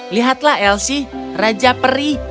lihatlah elsie raja peri